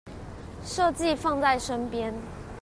設計放在身邊